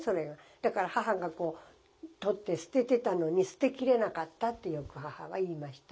だから母が取って捨ててたのに捨てきれなかったってよく母は言いました。